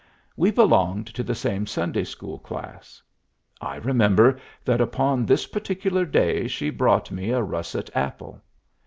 We belonged to the same Sunday school class. I remember that upon this particular day she brought me a russet apple.